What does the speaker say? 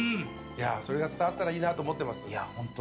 それが伝わったらいいなと思ってます。